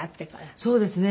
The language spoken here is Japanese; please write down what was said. そうですね。